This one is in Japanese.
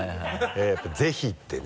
やっぱ「ぜひ」ってね。